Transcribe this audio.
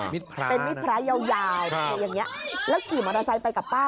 มีดพร้านะเป็นมีดพร้ายาวอย่างนี้แล้วขี่มอเตอร์ไซต์ไปกับป้า